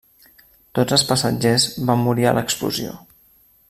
Tots els passatgers van morir a l'explosió.